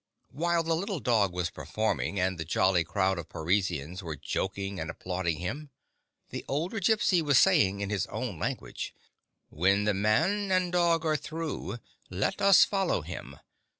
While the little dog was performing, and the jolly crowd of Parisians were joking and ap plauding him, the older Gypsy was saying in his own language :" When the man and dog are through, let us follow him.